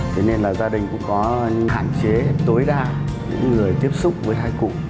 thế nên gia đình cũng có hạn chế tối đa người tiếp xúc với hai cụ